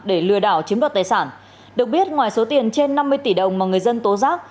để lừa đảo chiếm đoạt tài sản được biết ngoài số tiền trên năm mươi tỷ đồng mà người dân tố giác